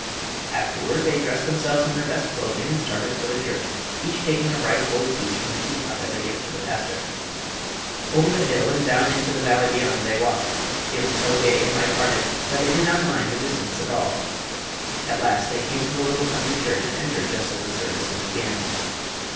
Afterward they dressed themselves in their best clothing and started for the church, each taking a bright gold piece from the teapot as a gift to the pastor. Over the hill and down into the valley beyond they walked, feeling so gay and light hearted that they did not mind the distance at all. At last they came to the little country church and entered just as the services began.